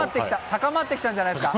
高まってきたんじゃないですか？